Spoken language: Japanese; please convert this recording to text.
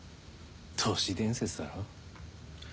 都市伝説だろ？